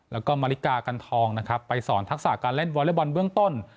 แล้วก็มาริกากันทองนะครับไปสอนทักษะการเล่นวอเล็กบอลเบื้องต้น